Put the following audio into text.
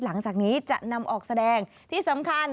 หลังจากนี้จะนำออกแสดงที่สำคัญ